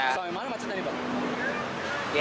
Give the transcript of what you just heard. sampai mana macetnya